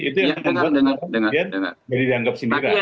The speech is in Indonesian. itu yang dianggap sindikah